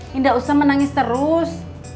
tidak usah menangis terus